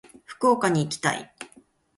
福岡に行きたい。